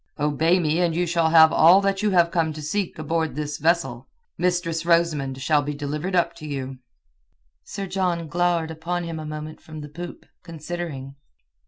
Obey me and you shall have all that you have come to seek aboard this vessel. Mistress Rosamund shall be delivered up to you." Sir John glowered upon him a moment from the poop, considering.